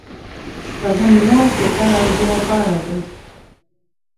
شپږم لوست د کار او زیار په اړه دی.